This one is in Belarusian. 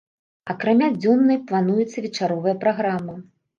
Акрамя дзённай плануецца вечаровая праграма.